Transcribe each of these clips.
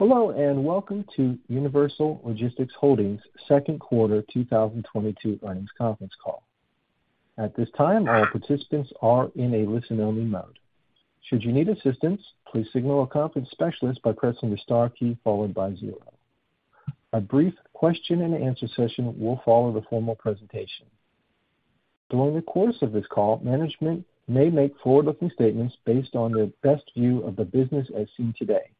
Hello, and welcome to Universal Logistics Holdings second quarter 2022 earnings conference call. At this time, all participants are in a listen-only mode. Should you need assistance, please signal a conference specialist by pressing the star key followed by zero. A brief question and answer session will follow the formal presentation. During the course of this call, management may make forward-looking statements based on their best view of the business as seen today.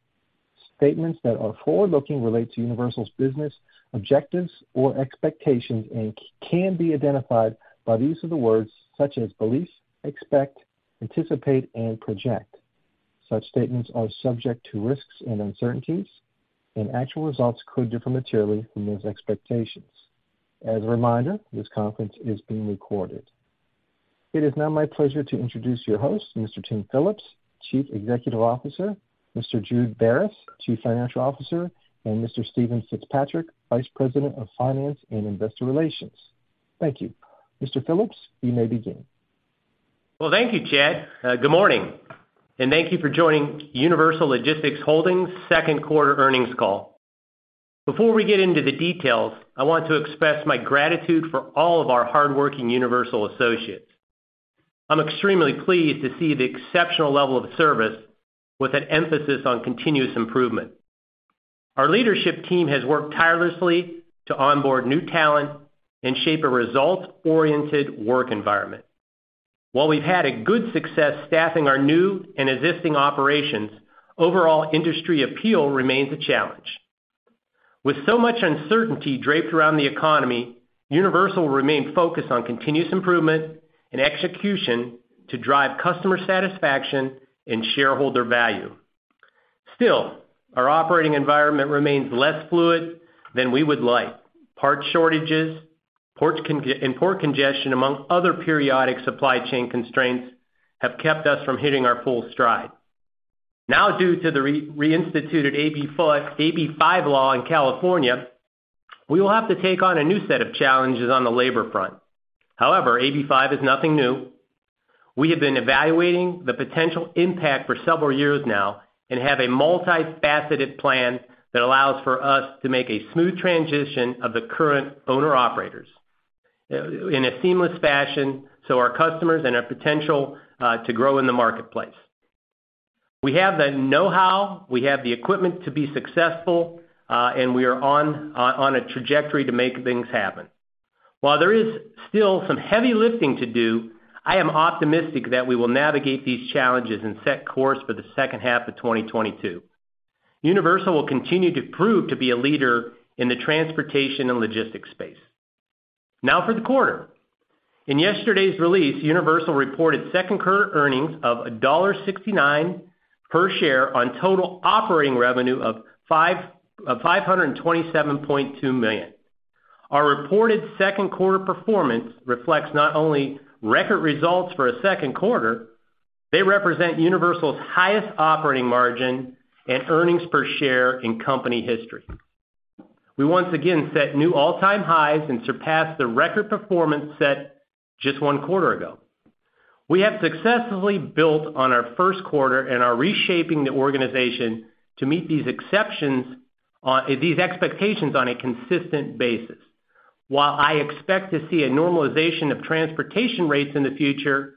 Statements that are forward-looking relate to Universal's business, objectives, or expectations and can be identified by the use of the words such as belief, expect, anticipate, and project. Such statements are subject to risks and uncertainties, and actual results could differ materially from those expectations. As a reminder, this conference is being recorded. It is now my pleasure to introduce your host, Mr. Tim Phillips, Chief Executive Officer, Mr.Jude Beres, Chief Financial Officer, and Mr. Steven Fitzpatrick, Vice President of Finance and Investor Relations. Thank you. Mr. Phillips, you may begin. Well, thank you, Chad. Good morning, and thank you for joining Universal Logistics Holdings second quarter earnings call. Before we get into the details, I want to express my gratitude for all of our hardworking Universal associates. I'm extremely pleased to see the exceptional level of service with an emphasis on continuous improvement. Our leadership team has worked tirelessly to onboard new talent and shape a results-oriented work environment. While we've had a good success staffing our new and existing operations, overall industry appeal remains a challenge. With so much uncertainty draped around the economy, Universal remained focused on continuous improvement and execution to drive customer satisfaction and shareholder value. Still, our operating environment remains less fluid than we would like. Part shortages, ports and port congestion, among other periodic supply chain constraints, have kept us from hitting our full stride. Now, due to the reinstituted AB5 law in California, we will have to take on a new set of challenges on the labor front. However, AB5 is nothing new. We have been evaluating the potential impact for several years now and have a multi-faceted plan that allows for us to make a smooth transition of the current owner-operators in a seamless fashion so our customers and our potential to grow in the marketplace. We have the know-how, we have the equipment to be successful, and we are on a trajectory to make things happen. While there is still some heavy lifting to do, I am optimistic that we will navigate these challenges and set course for the second half of 2022. Universal will continue to prove to be a leader in the transportation and logistics space. Now for the quarter. In yesterday's release, Universal reported second quarter earnings of $1.69 per share on total operating revenue of $527.2 million. Our reported second quarter performance reflects not only record results for a second quarter. They represent Universal's highest operating margin and earnings per share in company history. We once again set new all-time highs and surpassed the record performance set just one quarter ago. We have successfully built on our first quarter and are reshaping the organization to meet these expectations on a consistent basis. While I expect to see a normalization of transportation rates in the future,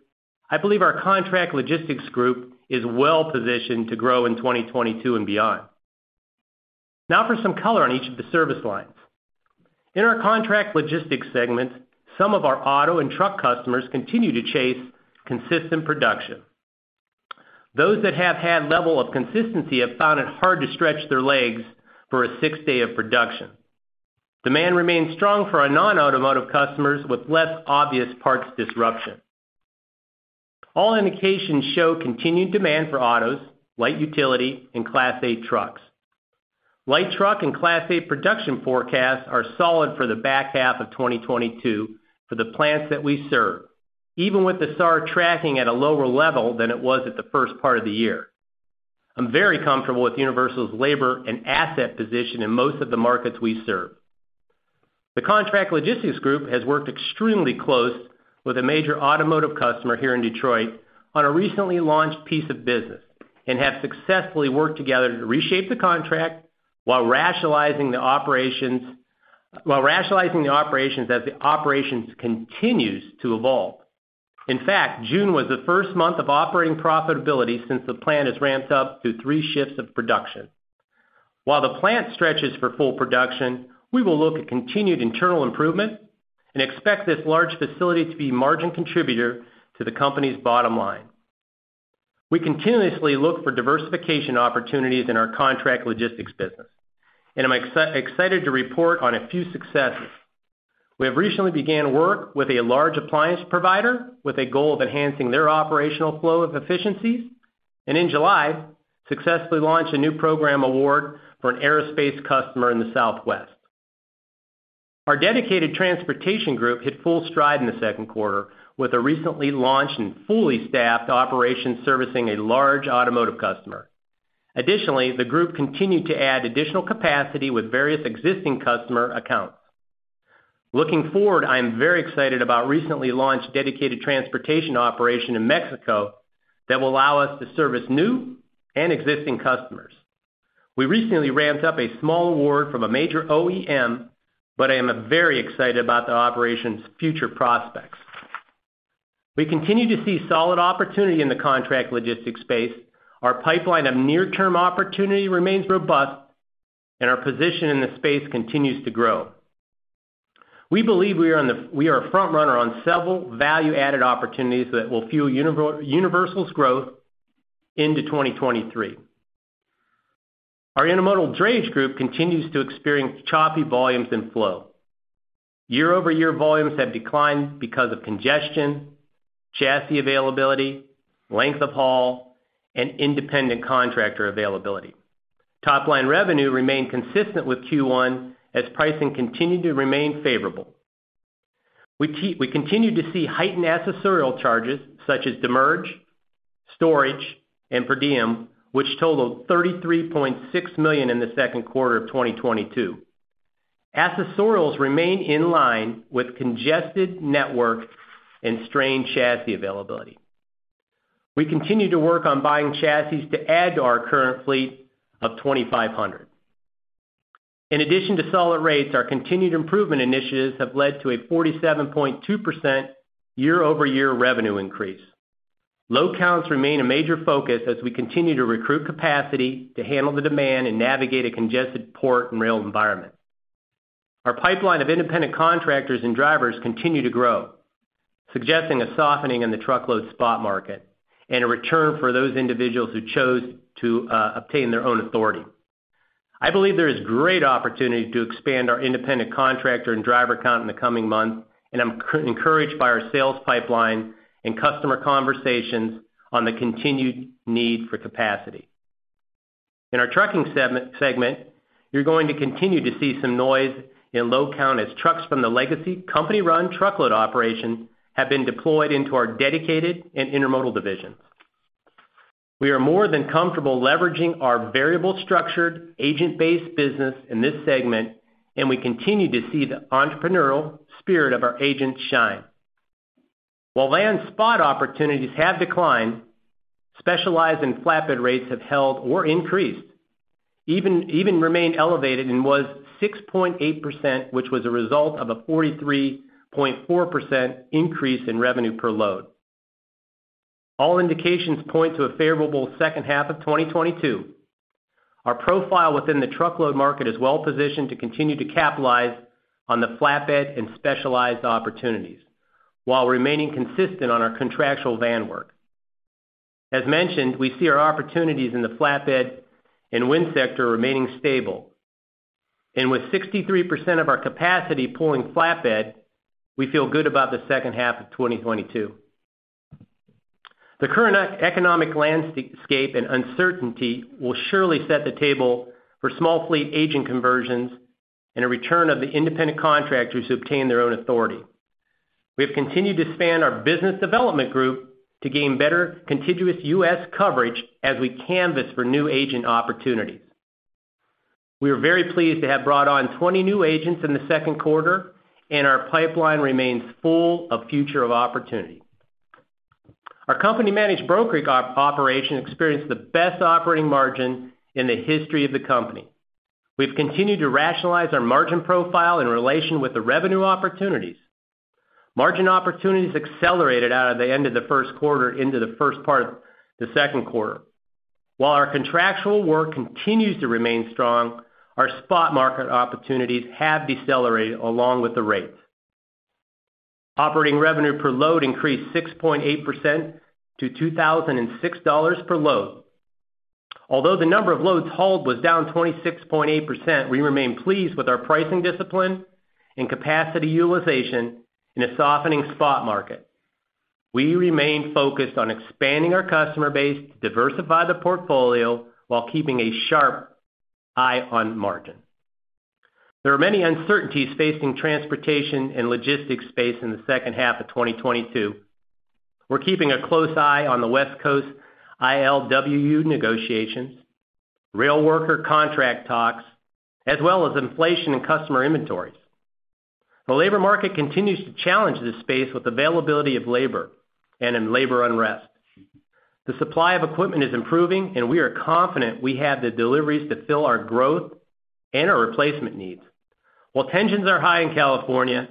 I believe our contract logistics group is well-positioned to grow in 2022 and beyond. Now for some color on each of the service lines. In our contract logistics segment, some of our auto and truck customers continue to chase consistent production. Those that have had level of consistency have found it hard to stretch their legs for a sixth day of production. Demand remains strong for our non-automotive customers with less obvious parts disruption. All indications show continued demand for autos, light utility, and Class 8 trucks. Light truck and Class 8 production forecasts are solid for the back half of 2022 for the plants that we serve, even with the SAR tracking at a lower level than it was at the first part of the year. I'm very comfortable with Universal's labor and asset position in most of the markets we serve. The contract logistics group has worked extremely close with a major automotive customer here in Detroit on a recently launched piece of business and have successfully worked together to reshape the contract while rationalizing the operations as the operations continues to evolve. In fact, June was the first month of operating profitability since the plant has ramped up to three shifts of production. While the plant stretches for full production, we will look at continued internal improvement and expect this large facility to be a margin contributor to the company's bottom line. We continuously look for diversification opportunities in our contract logistics business, and I'm excited to report on a few successes. We have recently begun work with a large appliance provider with a goal of enhancing their operational flow of efficiencies and in July, successfully launched a new program award for an aerospace customer in the Southwest. Our dedicated transportation group hit full stride in the second quarter with a recently launched and fully staffed operation servicing a large automotive customer. Additionally, the group continued to add additional capacity with various existing customer accounts. Looking forward, I am very excited about recently launched dedicated transportation operation in Mexico that will allow us to service new and existing customers. We recently ramped up a small award from a major OEM, but I am very excited about the operation's future prospects. We continue to see solid opportunity in the contract logistics space. Our pipeline of near-term opportunity remains robust, and our position in the space continues to grow. We believe we are a front runner on several value-added opportunities that will fuel Universal's growth into 2023. Our intermodal drayage group continues to experience choppy volumes and flow. Year-over-year volumes have declined because of congestion, chassis availability, length of haul, and independent contractor availability. Top-line revenue remained consistent with Q1 as pricing continued to remain favorable. We continue to see heightened accessorial charges such as demurrage, storage, and per diem, which totaled $33.6 million in the second quarter of 2022. Accessorials remain in line with congested network and strained chassis availability. We continue to work on buying chassis to add to our current fleet of 2,500. In addition to solid rates, our continued improvement initiatives have led to a 47.2% year-over-year revenue increase. Load counts remain a major focus as we continue to recruit capacity to handle the demand and navigate a congested port and rail environment. Our pipeline of independent contractors and drivers continue to grow, suggesting a softening in the truckload spot market and a return for those individuals who chose to obtain their own authority. I believe there is great opportunity to expand our independent contractor and driver count in the coming months, and I'm encouraged by our sales pipeline and customer conversations on the continued need for capacity. In our trucking segment, you're going to continue to see some noise in load count as trucks from the legacy company-run truckload operation have been deployed into our dedicated and intermodal divisions. We are more than comfortable leveraging our variable structured agent-based business in this segment, and we continue to see the entrepreneurial spirit of our agents shine. While van spot opportunities have declined, specialized and flatbed rates have held or increased, even remained elevated and was 6.8%, which was a result of a 43.4% increase in revenue per load. All indications point to a favorable second half of 2022. Our profile within the truckload market is well-positioned to continue to capitalize on the flatbed and specialized opportunities while remaining consistent on our contractual van work. As mentioned, we see our opportunities in the flatbed and wind sector remaining stable. With 63% of our capacity pulling flatbed, we feel good about the second half of 2022. The current economic landscape and uncertainty will surely set the table for small fleet agent conversions and a return of the independent contractors who obtain their own authority. We have continued to expand our business development group to gain better contiguous U.S. coverage as we canvass for new agent opportunities. We are very pleased to have brought on 20 new agents in the second quarter, and our pipeline remains full of future opportunities. Our company-managed brokerage operation experienced the best operating margin in the history of the company. We've continued to rationalize our margin profile in relation with the revenue opportunities. Margin opportunities accelerated out of the end of the first quarter into the first part of the second quarter. While our contractual work continues to remain strong, our spot market opportunities have decelerated along with the rates. Operating revenue per load increased 6.8% to $2,006 per load. Although the number of loads hauled was down 26.8%, we remain pleased with our pricing discipline and capacity utilization in a softening spot market. We remain focused on expanding our customer base to diversify the portfolio while keeping a sharp eye on margin. There are many uncertainties facing transportation and logistics space in the second half of 2022. We're keeping a close eye on the West Coast ILWU negotiations, rail worker contract talks, as well as inflation and customer inventories. The labor market continues to challenge this space with availability of labor and in labor unrest. The supply of equipment is improving, and we are confident we have the deliveries to fill our growth and our replacement needs. While tensions are high in California,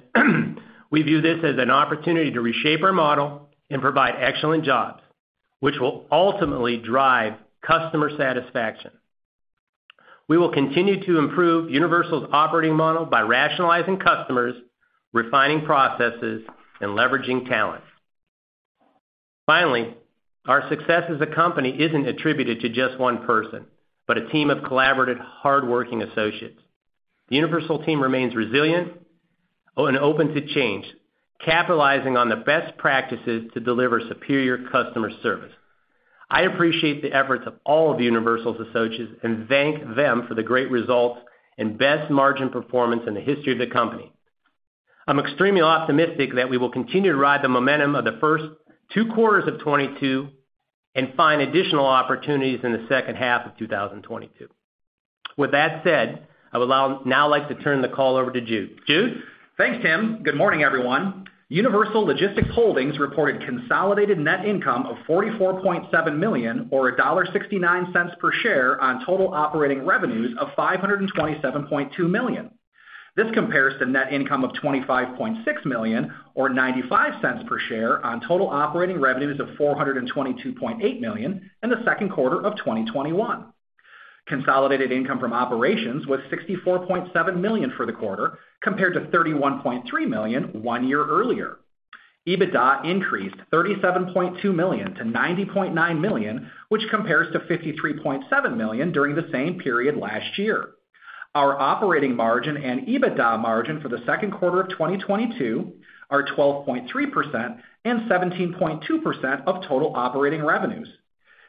we view this as an opportunity to reshape our model and provide excellent jobs, which will ultimately drive customer satisfaction. We will continue to improve Universal's operating model by rationalizing customers, refining processes, and leveraging talent. Finally, our success as a company isn't attributed to just one person, but a team of collaborative, hardworking associates. The Universal team remains resilient and open to change, capitalizing on the best practices to deliver superior customer service. I appreciate the efforts of all of Universal's associates and thank them for the great results and best margin performance in the history of the company. I'm extremely optimistic that we will continue to ride the momentum of the first two quarters of 2022. Find additional opportunities in the second half of 2022. With that said, I would now like to turn the call over to Jude. Jude? Thanks, Tim. Good morning, everyone. Universal Logistics Holdings reported consolidated net income of $44.7 million or $1.69 per share on total operating revenues of $527.2 million. This compares to net income of $25.6 million or $0.95 per share on total operating revenues of $422.8 million in the second quarter of 2021. Consolidated income from operations was $64.7 million for the quarter compared to $31.3 million one year earlier. EBITDA increased $37.2 million to $90.9 million, which compares to $53.7 million during the same period last year. Our operating margin and EBITDA margin for the second quarter of 2022 are 12.3% and 17.2% of total operating revenues.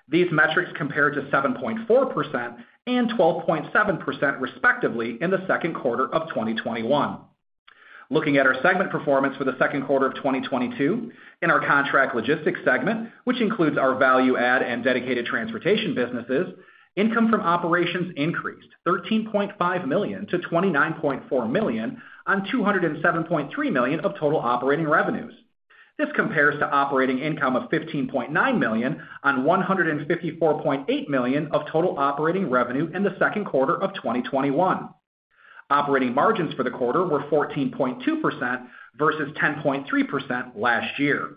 These metrics compare to 7.4% and 12.7% respectively in the second quarter of 2021. Looking at our segment performance for the second quarter of 2022, in our contract logistics segment, which includes our value add and dedicated transportation businesses, income from operations increased $13.5 million to $29.4 million on $207.3 million of total operating revenues. This compares to operating income of $15.9 million on $154.8 million of total operating revenue in the second quarter of 2021. Operating margins for the quarter were 14.2% versus 10.3% last year.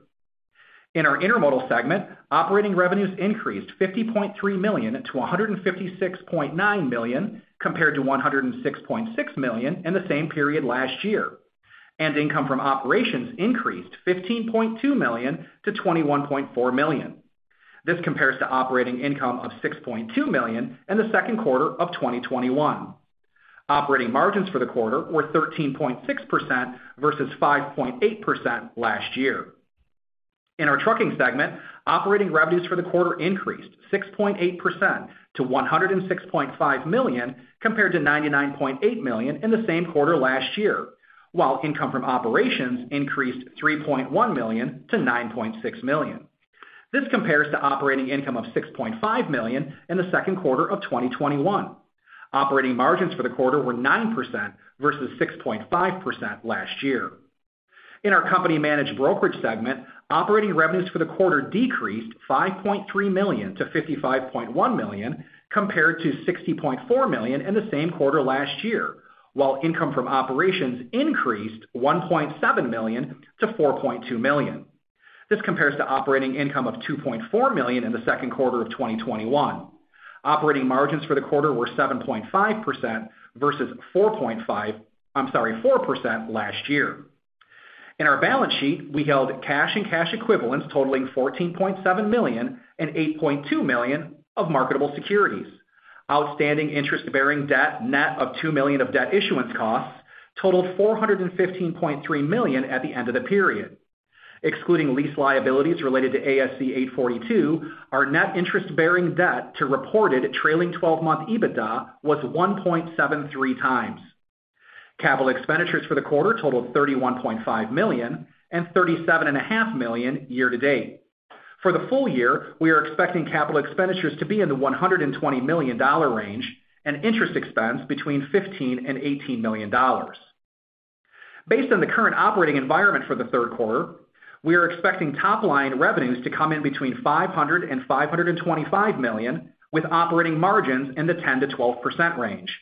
In our intermodal segment, operating revenues increased $50.3 million to $156.9 million compared to $106.6 million in the same period last year, and income from operations increased $15.2 million to $21.4 million. This compares to operating income of $6.2 million in the second quarter of 2021. Operating margins for the quarter were 13.6% versus 5.8% last year. In our trucking segment, operating revenues for the quarter increased 6.8% to $106.5 million compared to $99.8 million in the same quarter last year, while income from operations increased $3.1 million to $9.6 million. This compares to operating income of $6.5 million in the second quarter of 2021. Operating margins for the quarter were 9% versus 6.5% last year. In our company managed brokerage segment, operating revenues for the quarter decreased $5.3 million to $55.1 million compared to $60.4 million in the same quarter last year, while income from operations increased $1.7 million to $4.2 million. This compares to operating income of $2.4 million in the second quarter of 2021. Operating margins for the quarter were 7.5% versus 4.5%, I'm sorry, 4% last year. In our balance sheet, we held cash and cash equivalents totaling $14.7 million and $8.2 million of marketable securities. Outstanding interest-bearing debt, net of $2 million of debt issuance costs, totaled $415.3 million at the end of the period. Excluding lease liabilities related to ASC 842, our net interest-bearing debt to reported trailing 12-month EBITDA was 1.73x. Capital expenditures for the quarter totaled $31.5 million and $37.5 million year to date. For the full year, we are expecting capital expenditures to be in the $120 million range and interest expense between $15 million and $18 million. Based on the current operating environment for the third quarter, we are expecting top line revenues to come in between $500 million and $525 million, with operating margins in the 10%-12% range.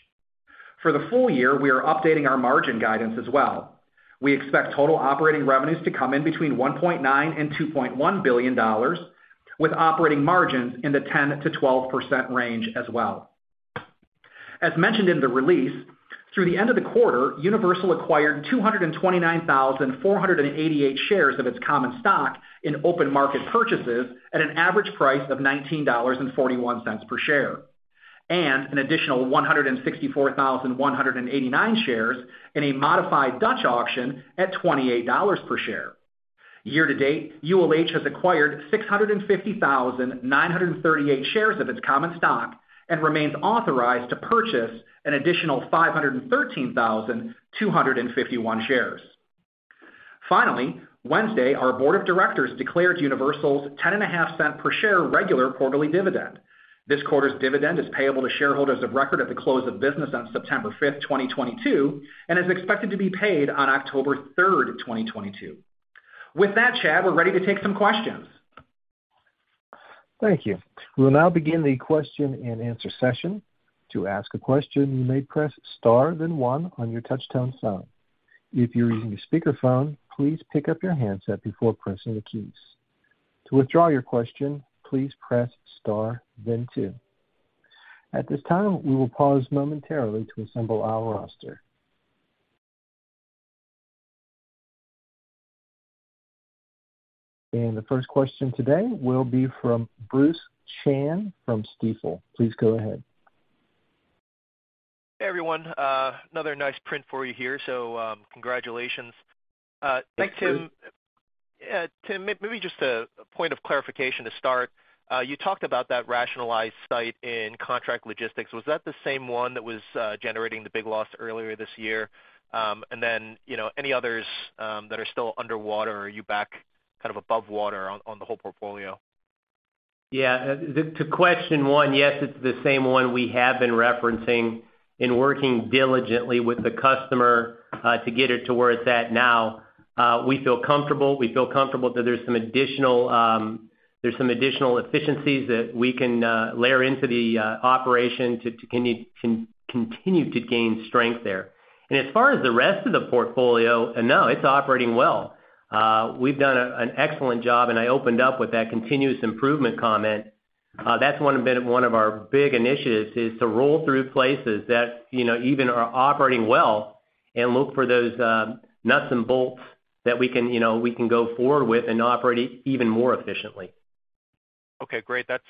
For the full year, we are updating our margin guidance as well. We expect total operating revenues to come in between $1.9 billion and $2.1 billion, with operating margins in the 10%-12% range as well. As mentioned in the release, through the end of the quarter, Universal acquired 229,488 shares of its common stock in open market purchases at an average price of $19.41 per share, and an additional 164,189 shares in a modified Dutch auction at $28 per share. Year to date, ULH has acquired 650,938 shares of its common stock and remains authorized to purchase an additional 513,251 shares. Finally, Wednesday, our board of directors declared Universal's $0.105 per share regular quarterly dividend. This quarter's dividend is payable to shareholders of record at the close of business on September 5th, 2022, and is expected to be paid on October 3rd, 2022. With that, Chad, we're ready to take some questions. Thank you. We'll now begin the question and answer session. To ask a question, you may press star, then one on your touch-tone phone. If you're using a speakerphone, please pick up your handset before pressing the keys. To withdraw your question, please press star then two. At this time, we will pause momentarily to assemble our roster. The first question today will be from Bruce Chan from Stifel. Please go ahead. Hey, everyone. Another nice print for you here. Congratulations. Thanks, Bruce. Tim, maybe just a point of clarification to start. You talked about that rationalized site in contract logistics. Was that the same one that was generating the big loss earlier this year? You know, any others that are still underwater, are you back kind of above water on the whole portfolio? Yeah. To question one, yes, it's the same one we have been referencing in working diligently with the customer to get it to where it's at now. We feel comfortable. We feel comfortable that there's some additional efficiencies that we can layer into the operation to continue to gain strength there. As far as the rest of the portfolio, no, it's operating well. We've done an excellent job, and I opened up with that continuous improvement comment. That's one of our big initiatives, is to roll through places that, you know, even are operating well and look for those nuts and bolts that we can, you know, go forward with and operate even more efficiently. Okay, great. That's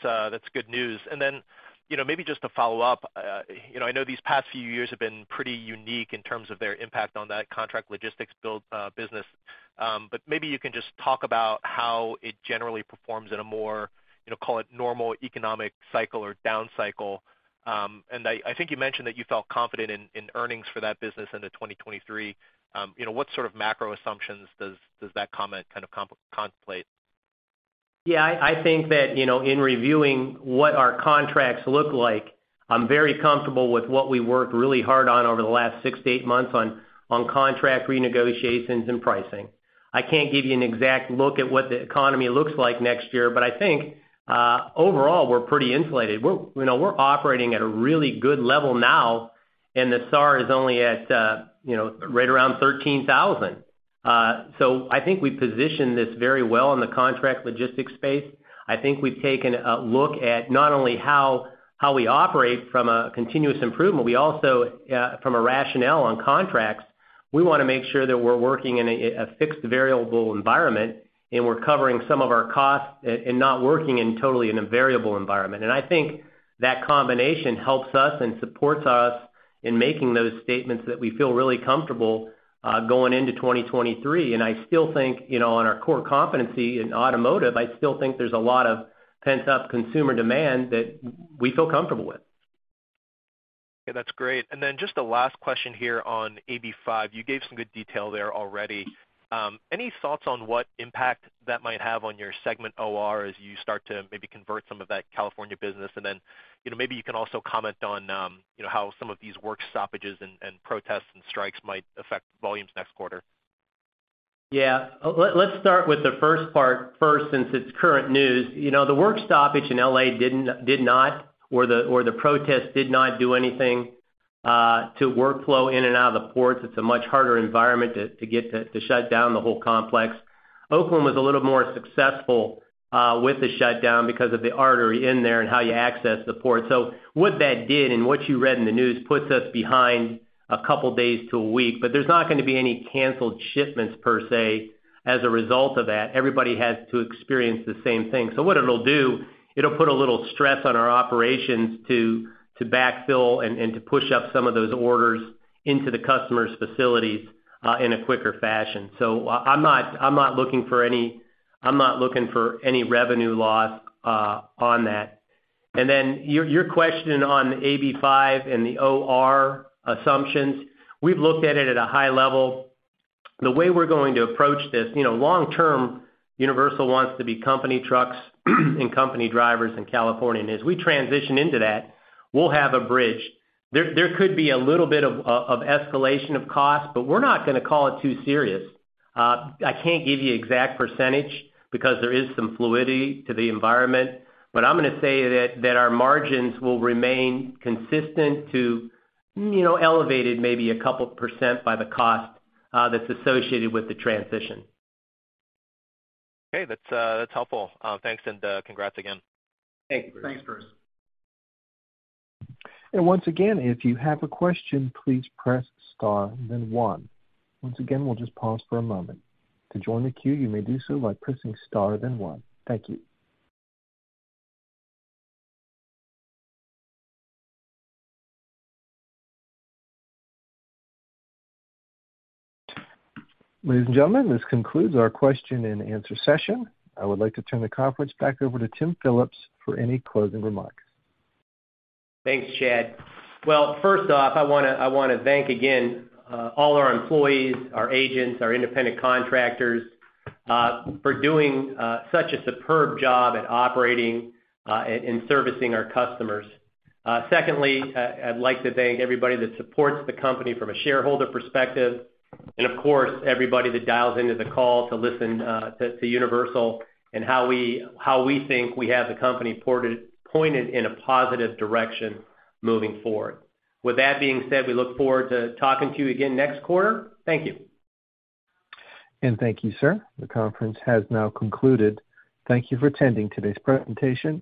good news. You know, maybe just to follow up, you know, I know these past few years have been pretty unique in terms of their impact on that contract logistics business. Maybe you can just talk about how it generally performs in a more, you know, call it normal economic cycle or down cycle. I think you mentioned that you felt confident in earnings for that business into 2023. You know, what sort of macro assumptions does that comment kind of contemplate? Yeah. I think that, you know, in reviewing what our contracts look like, I'm very comfortable with what we worked really hard on over the last six to eight months on contract renegotiations and pricing. I can't give you an exact look at what the economy looks like next year, but I think overall, we're pretty insulated. We're, you know, operating at a really good level now, and the SAAR is only at, you know, right around 13,000. I think we positioned this very well in the contract logistics space. I think we've taken a look at not only how we operate from a continuous improvement. We also from a rationale on contracts, we wanna make sure that we're working in a fixed variable environment, and we're covering some of our costs and not working totally in a variable environment. I still think, you know, on our core competency in automotive, I still think there's a lot of pent-up consumer demand that we feel comfortable with. Okay, that's great. Just a last question here on AB5. You gave some good detail there already. Any thoughts on what impact that might have on your segment OR as you start to maybe convert some of that California business? You know, maybe you can also comment on, you know, how some of these work stoppages and protests and strikes might affect volumes next quarter. Yeah. Let's start with the first part first since it's current news. You know, the work stoppage in L.A. did not or the protest did not do anything to workflow in and out of the ports. It's a much harder environment to shut down the whole complex. Oakland was a little more successful with the shutdown because of the artery in there and how you access the port. What that did and what you read in the news puts us behind a couple days to a week, but there's not gonna be any canceled shipments per se as a result of that. Everybody has to experience the same thing. What it'll do, it'll put a little stress on our operations to backfill and to push up some of those orders into the customer's facilities in a quicker fashion. I'm not looking for any revenue loss on that. Then your question on AB5 and the OR assumptions, we've looked at it at a high level. The way we're going to approach this, you know, long term, Universal wants to be company trucks and company drivers in California. As we transition into that, we'll have a bridge. There could be a little bit of escalation of cost, but we're not gonna call it too serious. I can't give you exact percentage because there is some fluidity to the environment, but I'm gonna say that our margins will remain consistent to, you know, elevated maybe a couple percent by the cost that's associated with the transition. Okay. That's helpful. Thanks and congrats again. Thanks. Thanks, Bruce. Once again, if you have a question, please press star then one. Once again, we'll just pause for a moment. To join the queue, you may do so by pressing star then one. Thank you. Ladies and gentlemen, this concludes our question and answer session. I would like to turn the conference back over to Tim Phillips for any closing remarks. Thanks, Chad. Well, first off, I wanna thank again all our employees, our agents, our independent contractors for doing such a superb job at operating and servicing our customers. Secondly, I'd like to thank everybody that supports the company from a shareholder perspective and, of course, everybody that dials into the call to listen to Universal and how we think we have the company pointed in a positive direction moving forward. With that being said, we look forward to talking to you again next quarter. Thank you. Thank you, sir. The conference has now concluded. Thank you for attending today's presentation.